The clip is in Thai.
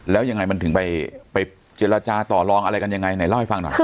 แล้วยังไงมันถึงไปเจรจาต่อลองอะไรกันยังไงไหนเล่าให้ฟังหน่อย